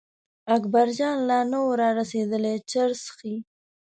اکبرجان لا نه و را رسېدلی چرس څښي.